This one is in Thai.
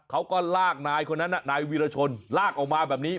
เขาก็ลากนายคนนั้นนายวีรชนลากออกมาแบบนี้